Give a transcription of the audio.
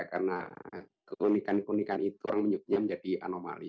karena keunikan keunikan itu yang menyebutnya menjadi anomali